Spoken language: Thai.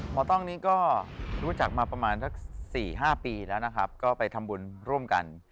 ต้องนี้ก็รู้จักมาประมาณสัก๔๕ปีแล้วนะครับก็ไปทำบุญร่วมกัน